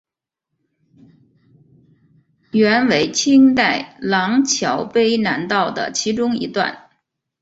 原为清代琅峤卑南道的其中一段。